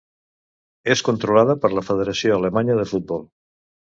És controlada per la Federació Alemanya de Futbol.